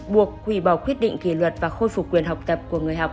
buộc hủy bỏ quyết định kỷ luật và khôi phục quyền học tập của người học